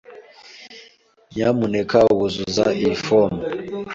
Nyamuneka wuzuza iyi fomu?